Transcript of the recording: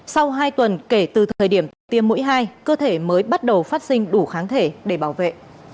sau hai tuần kể từ thời điểm tiêm mũi hai cơ thể mới bắt đầu phát sinh đủ kháng thể để bảo vệ